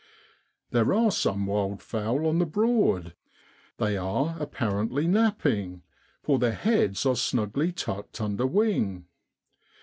There are some wildfowl on the Broad; they are apparently napping, for their heads are snugly tucked under wing.